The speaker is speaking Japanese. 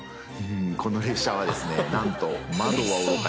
この列車はですね何と。